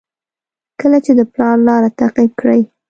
کله چې د پلار لاره تعقیب کړئ.